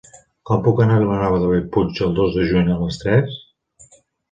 Com puc anar a Vilanova de Bellpuig el dos de juny a les tres?